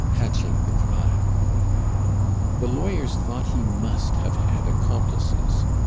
hatching the crime). The lawyers thought he must have had accomplices.